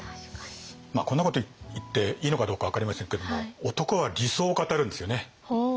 こんなこと言っていいのかどうか分かりませんけども男は理想を語るんですよね。